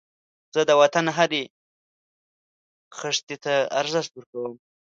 زه د وطن هرې خښتې ته ارزښت ورکوم